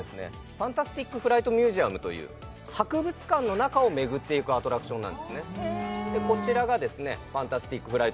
ファンタスティック・フライト・ミュージアムという博物館の中を巡っていくアトラクションなんですねでこちらがですね